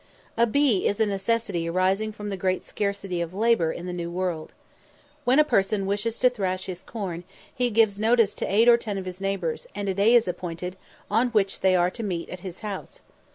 A "bee" is a necessity arising from the great scarcity of labour in the New World. When a person wishes to thrash his corn, he gives notice to eight or ten of his neighbours, and a day is appointed on which they are to meet at his house.